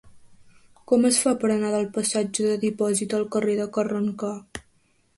Com es fa per anar del passatge del Dipòsit al carrer de Carrencà?